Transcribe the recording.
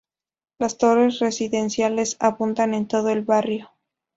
Las torres residenciales abundan en todo el barrio.